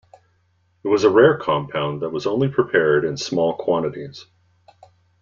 It was a rare compound that was only prepared in small quantities.